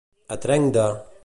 A trenc de.